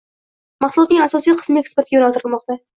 Mahsulotning asosiy qismi eksportga yo‘naltirilmoqda